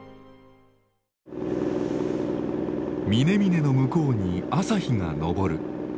峰々の向こうに朝日が昇る